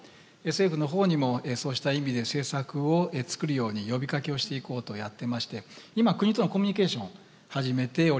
政府の方にもそうした意味で政策を作るように呼びかけをしていこうとやってまして今国とのコミュニケーションを始めております。